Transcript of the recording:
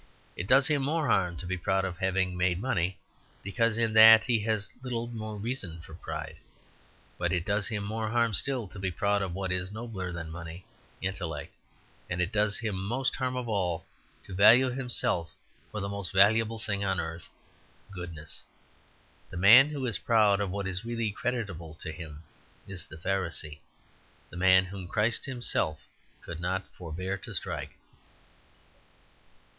It does him more harm to be proud of having made money, because in that he has a little more reason for pride. It does him more harm still to be proud of what is nobler than money intellect. And it does him most harm of all to value himself for the most valuable thing on earth goodness. The man who is proud of what is really creditable to him is the Pharisee, the man whom Christ Himself could not forbear to strike.